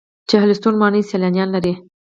چهلستون ماڼۍ سیلانیان لري